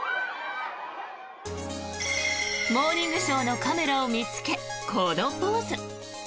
「モーニングショー」のカメラを見つけ、このポーズ。